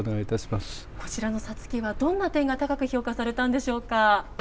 こちらのさつきは、どんな点が高く評価されたんでしょうか。